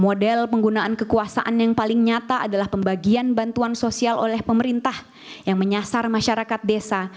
model penggunaan kekuasaan yang paling nyata adalah pembagian bantuan sosial oleh pemerintah yang menyasar masyarakat desa